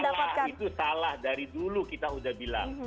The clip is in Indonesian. itu salah itu salah dari dulu kita sudah bilang